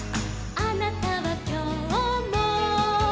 「あなたはきょうも」